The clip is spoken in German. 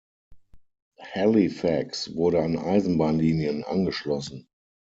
Halifax wurde an Eisenbahnlinien angeschlossen.